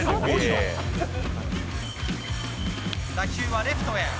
打球はレフトへ。